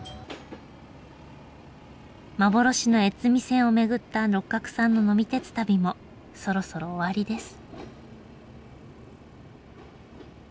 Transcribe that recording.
幻の越美線を巡った六角さんの呑み鉄旅もそろそろ終わりです。